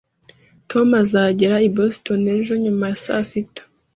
Tom azagera i Boston ejo nyuma ya saa sita